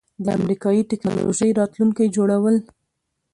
د امریکایی ټیکنالوژۍ راتلونکی جوړول